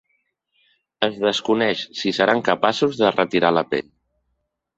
Es desconeix si seran capaços de retirar la pell.